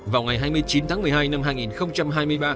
vào ngày hai mươi chín tháng một mươi hai năm hai nghìn hai mươi ba